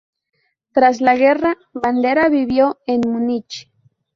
Tras la guerra, Bandera vivió en Múnich.